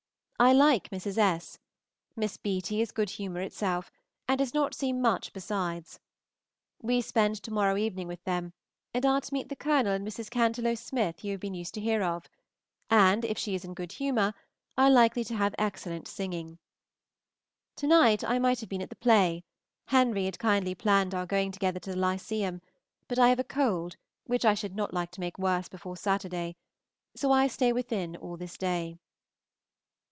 I like Mrs. S.; Miss Beaty is good humor itself, and does not seem much besides. We spend to morrow evening with them, and are to meet the Coln. and Mrs. Cantelo Smith you have been used to hear of, and, if she is in good humor, are likely to have excellent singing. To night I might have been at the play; Henry had kindly planned our going together to the Lyceum, but I have a cold which I should not like to make worse before Saturday, so I stay within all this day.